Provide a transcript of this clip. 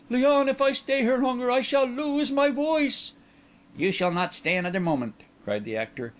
"Léon, if I stay here longer I shall lose my voice!" "You shall not stay another moment," cried the actor.